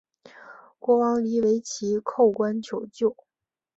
国王黎维祁叩关求救。